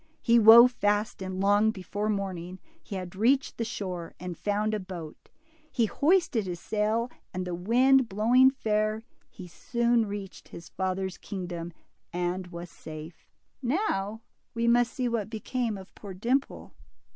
He wove fast, and long before morning he had reached the shore, and found a boat. He hoisted his sail, and the wind blowing fair, he soon reached his father's kingdom and was safe. Now we must see what became of poor Dimple.